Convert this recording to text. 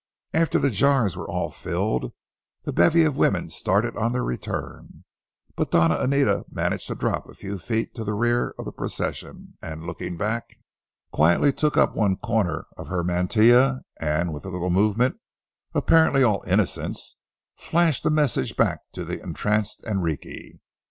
After the jars were all filled, the bevy of women started on their return; but Doña Anita managed to drop a few feet to the rear of the procession, and, looking back, quietly took up one corner of her mantilla, and with a little movement, apparently all innocence, flashed a message back to the entranced Enrique.